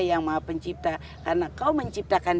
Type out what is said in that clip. yang maha pencipta karena kau menciptakan